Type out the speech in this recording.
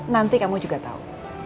nanti kamu juga tau